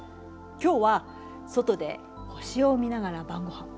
今日は外で星を見ながら晩ごはん。